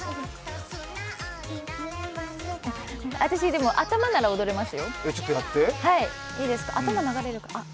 私、でも頭なら踊れますよ。